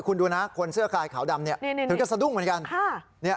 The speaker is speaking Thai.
คุณดูนะคนเสื้อคลายขาวดำเนี่ยเหมือนกับสะดุ้งเหมือนกัน